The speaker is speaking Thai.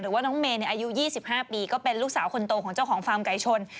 ว่าน้องเมย์อายุ๒๕ปีก็เป็นลูกสาวคนโตของเจ้าของฟาร์มไก่ชน